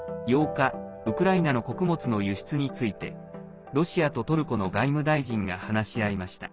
８日、ウクライナの穀物の輸出についてロシアとトルコの外務大臣が話し合いました。